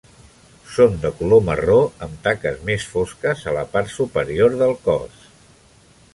Són de color marró amb taques més fosques a la part superior del cos.